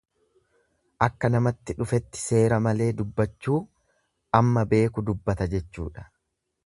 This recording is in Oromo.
Akka namatti dhufetti seera malee dubbachuu Amma beeku dubbata jechuudha.